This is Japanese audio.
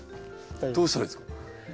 どうしたらいいですか？